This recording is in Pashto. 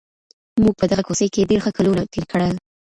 موږ په دغه کوڅې کي ډېر ښه کلونه تېر کړل.